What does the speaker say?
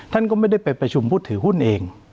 ท่านก็ไม่ได้ไปประชุมผู้ถือหุ้นเอง